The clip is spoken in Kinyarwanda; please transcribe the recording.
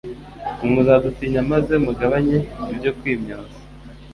Mwe muzadutinya maze mugabanye ibyo kwimyoza